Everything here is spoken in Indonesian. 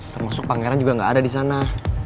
termasuk pangeran juga gak ada disana